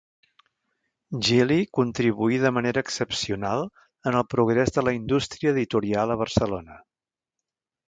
Gili contribuí de manera excepcional en el progrés de la indústria editorial a Barcelona.